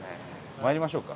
参りましょうか。